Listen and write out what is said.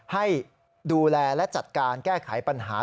ให้ดูแลและจัดการแก้ไขปัญหา